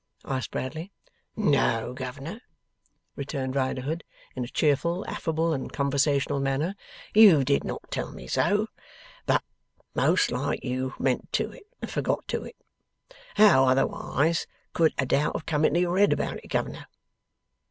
asked Bradley. 'No, governor,' returned Riderhood, in a cheerful, affable, and conversational manner, 'you did not tell me so. But most like you meant to it and forgot to it. How, otherways, could a doubt have come into your head about it, governor?